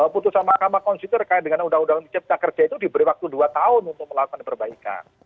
putusan mahkamah konstitusi terkait dengan undang undang cipta kerja itu diberi waktu dua tahun untuk melakukan perbaikan